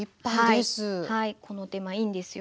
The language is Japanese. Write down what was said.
この手間いいんですよ。